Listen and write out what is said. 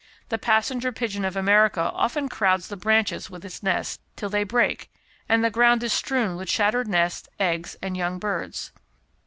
The Passenger pigeon of America often crowds the branches with its nests till they break, and the ground is strewn with shattered nests, eggs, and young birds.